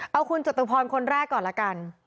เอาคุณจตุพรคนแรกก่อนละกัน